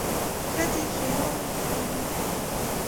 ښځې ښېراوې کولې.